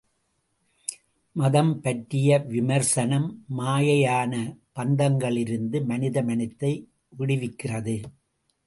மதம் பற்றிய விமர்சனம், மாயையான பந்தங்களிலிருந்து மனித மனத்தை விடுவிக்கிறது.